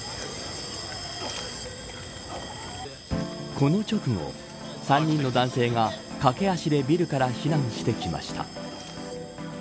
この直後、３人の男性が駆け足でビルから避難してきました。